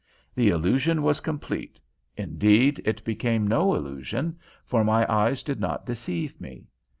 The illusion was complete; indeed, it became no illusion, for my eyes did not deceive me.